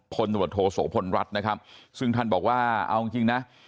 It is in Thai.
พลโดรทโศพลรัฐนะครับซึ่งท่านบอกว่าเอาจริงนะ